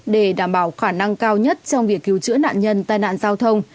để đảm bảo khả năng cao nhất trong việc cứu chữa nạn nhân tai nạn giao thông